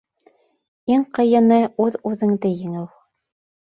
Иң ҡыйыны — үҙ-үҙеңде еңеү.